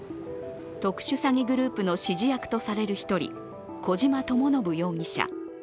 特殊詐欺グループの指示役とされる１人、小島智信容疑者。